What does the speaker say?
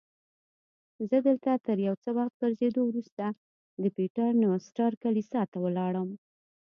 زه دلته تر یو څه وخت ګرځېدو وروسته د پیټر نوسټر کلیسا ته ولاړم.